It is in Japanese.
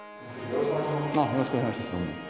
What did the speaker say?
よろしくお願いします。